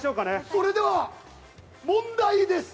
それでは問題です。